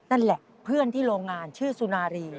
นั่นแหละเพื่อนที่โรงงานชื่อสุนารี